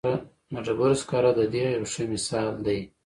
د ډبرو سکاره د دې یو ښه مثال دی.